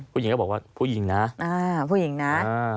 ผู้หญิงก็บอกว่าผู้หญิงนะผู้หญิงนะ